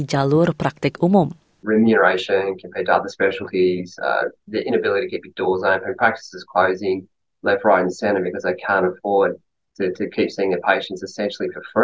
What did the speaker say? dr mccrory mengatakan dirinya memahami demoralisasi